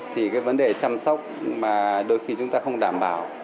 thì cái vấn đề chăm sóc mà đôi khi chúng ta không đảm bảo